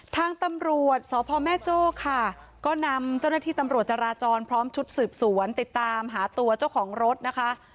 ทางตำรวจสพแม่โจ้ค่ะก็นำเจ้าหน้าที่ตำรวจจราจรพร้อมชุดสืบสวนติดตามหาตัวเจ้าของรถนะคะ